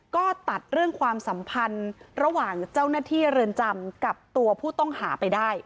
ก็ตัดเรื่องความสัมพันธ์ระหว่างเจ้าหน้าที่เรือนจำกับตัวผู้ต้องหาไปได้